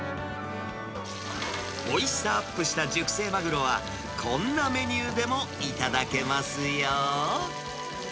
おいしさアップした熟成マグロは、こんなメニューでも頂けますよ。